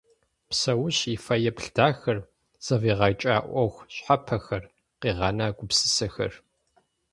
Псэущ и фэеплъ дахэр, зэфӏигъэкӏа ӏуэху щхьэпэхэр, къигъэна гупсысэхэр.